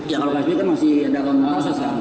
ya kalau ksb kan masih dalam proses kan